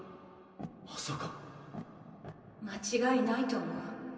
まさか間違いないと思う